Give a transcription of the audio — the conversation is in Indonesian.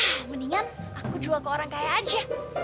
ya mendingan aku jual ke orang kaya aja